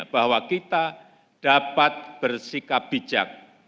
bahwa kita dapat bersikap bijak